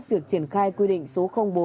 việc triển khai quy định số bốn